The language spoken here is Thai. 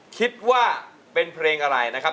คิดว่าเป็นเพลงอะไรนะครับ